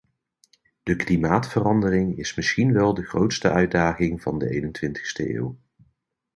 De klimaatverandering is misschien wel de grootste uitdaging van de eenentwintigste eeuw.